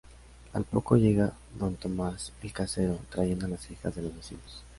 Al poco llega Don Tomás, el casero, trayendo las quejas de los vecinos.